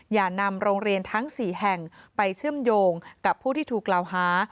อย่านำโรงเรียนทั้ง๔แห่งไปเชื่อมโยงกับผู้ที่ถูกกล่าวหา